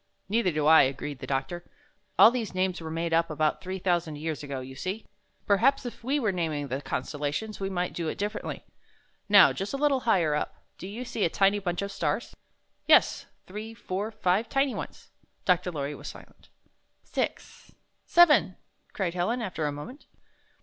"Neither do I," agreed the doctor. "All these names were made up about three thou sand years ago, you see. Perhaps if we wxre naming the constellations, we might do it dif ferently. Xow, just a little higher up, do you see a tiny bunch of stars?" "Yes, three, four, five tiny ones." Dr. Lorry was silent. "Six — seven!" cried Helen, after a moment.